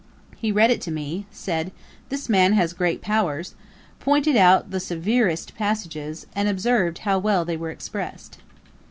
He read it to me; said, "this man has great powers," pointed out the severest passages, and observed how well they were expressed.'